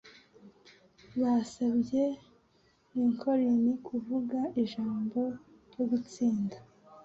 Basabye Lincoln kuvuga ijambo ryo gutsinda.